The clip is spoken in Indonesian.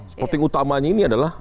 supporting utamanya ini adalah